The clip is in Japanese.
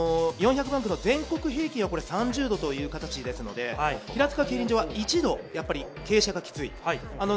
４００バンクと全国平均は３０度という形ですので平塚競輪場は１度傾斜がきつい。